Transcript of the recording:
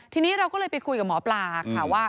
ทีนี้เราก็เลยไปคุยกับหมอปลาค่ะว่า